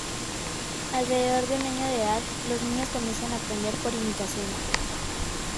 Alrededor de un año de edad, los niños comienzan a aprender por imitación.